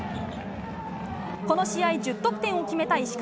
この試合、１０得点を決めた石川。